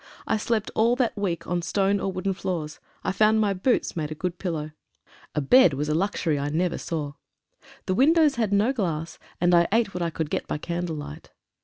I slept all that week on stone or wooden floors. I found my boots made a good pillow. A bed was a luxury I 27 TRENCH CONDITIONS. never saw. The windows had no glass, and I ate what I could get by candle light.